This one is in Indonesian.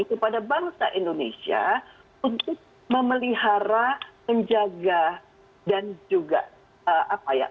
kepada bangsa indonesia untuk memelihara menjaga dan juga apa ya